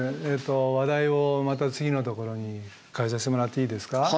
話題をまた次のところに変えさせてもらっていいですか？